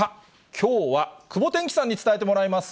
きょうは、くぼてんきさんに伝えてもらいます。